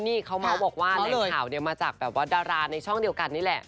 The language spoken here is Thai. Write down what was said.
นี่เขาเมาส์บอกว่าแหล่งข่าวเนี่ยมาจากแบบว่าดาราในช่องเดียวกันนี่แหละ